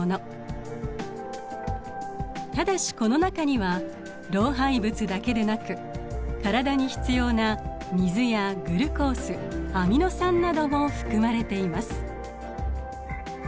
ただしこの中には老廃物だけでなく体に必要な水やグルコースアミノ酸なども含まれています。